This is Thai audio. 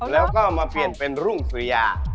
แล้วก็มาเปลี่ยนเป็นรุ่งสุริยา